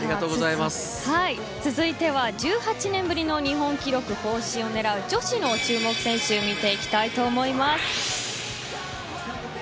続いては１８年ぶりの日本記録更新を狙う女子の注目選手を見ていきたいと思います。